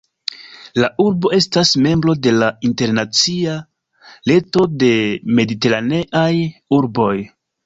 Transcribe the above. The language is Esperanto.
La urbo estas membro de la internacia "reto de mediteraneaj urboj".